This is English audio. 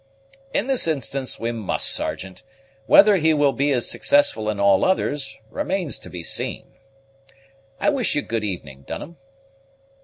"In this instance we must, Sergeant. Whether he will be as successful in all others remains to be seen. I wish you good evening, Dunham."